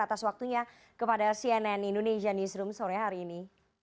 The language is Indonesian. atas waktunya kepada cnn indonesia newsroom sore hari ini